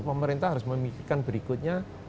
pemerintah harus memikirkan berikutnya